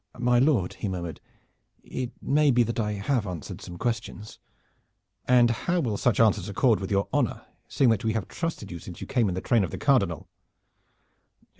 "My lord," he murmured, "it may be that I have answered some questions." "And how will such answers accord with your honor, seeing that we have trusted you since you came in the train of the Cardinal?"